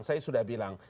saya sudah bilang